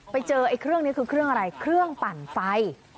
ไปเจอไอ้เครื่องนี้คือเครื่องอะไรเครื่องปั่นไฟ